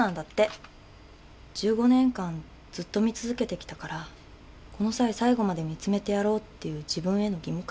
１５年間ずっと見続けてきたからこの際最後まで見つめてやろうっていう自分への義務感。